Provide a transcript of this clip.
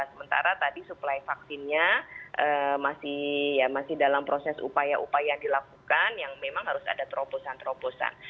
sementara tadi suplai vaksinnya masih dalam proses upaya upaya dilakukan yang memang harus ada terobosan terobosan